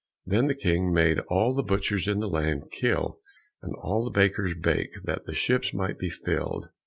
Then the King made all the butchers in the land kill, and all the bakers bake, that the ships might be filled.